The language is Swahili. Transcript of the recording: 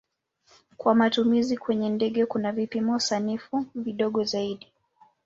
Kwa matumizi kwenye ndege kuna vipimo sanifu vidogo zaidi.